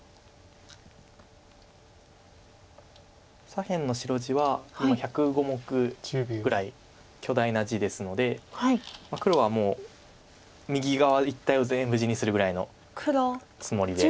左辺の白地は今１０５目ぐらい巨大な地ですので黒はもう右側一帯を全部地にするぐらいのつもりで。